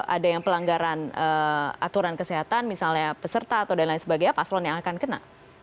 ada yang pelanggaran aturan kesehatan misalnya peserta atau dan lain sebagainya paslon yang akan kena